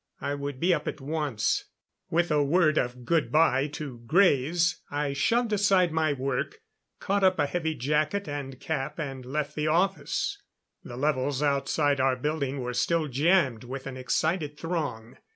I would be up at once. With a word of good bye to Greys, I shoved aside my work, caught up a heavy jacket and cap and left the office. The levels outside our building were still jammed with an excited throng.